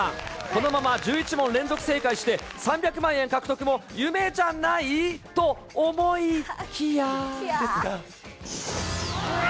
このまま１１問連続正解して、３００万円獲得も夢じゃない？と思いきや。